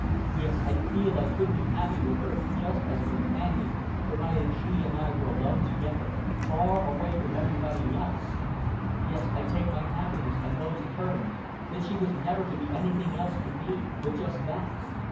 Yes, I feel I could be happy with her just as a companion, provided she and I were alone together, far away from everybody else yes, I'd take my happiness on those terms, that she was never to be anything else to me but just that."